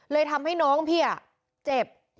เลยทำให้น้องพี่เจ็บ